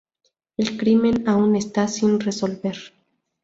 El crimen aún está sin resolver.